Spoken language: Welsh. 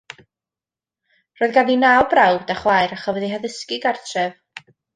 Roedd ganddi naw brawd a chwaer a chafodd ei haddysgu gartref.